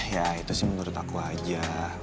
ya itu sih menurut aku aja